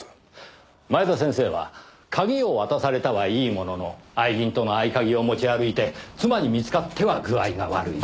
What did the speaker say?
前田先生は鍵を渡されたはいいものの愛人との合鍵を持ち歩いて妻に見つかっては具合が悪い。